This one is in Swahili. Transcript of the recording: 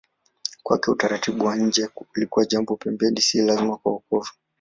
Kwake utaratibu wa nje ulikuwa jambo la pembeni, si lazima kwa wokovu.